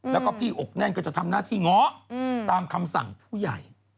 แล้วก็พี่อกแน่นก็จะทำหน้าที่ง้อตามคำสั่งผู้ใหญ่